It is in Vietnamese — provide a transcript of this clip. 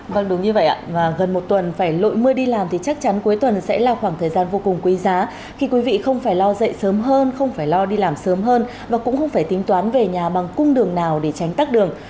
vâng đúng như vậy ạ gần một tuần phải lội mưa đi làm thì chắc chắn cuối tuần sẽ là khoảng thời gian vô cùng quý giá khi quý vị không phải lo dậy sớm hơn không phải lo đi làm sớm hơn và cũng không phải tính toán về nhà bằng cung đường nào để tránh tắt đường